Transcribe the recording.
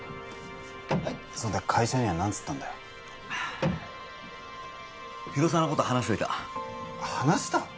そんで会社には何つったんだよ広沢のこと話しといた話した？